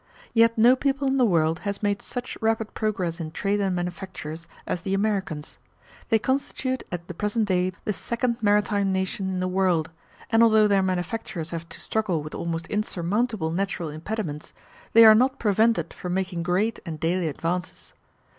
Yet no people in the world has made such rapid progress in trade and manufactures as the Americans: they constitute at the present day the second maritime nation in the world; and although their manufactures have to struggle with almost insurmountable natural impediments, they are not prevented from making great and daily advances.